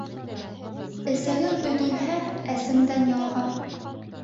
Эсәгең өҙөлһә, әсеңдән ялға.